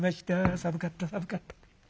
「寒かった寒かった。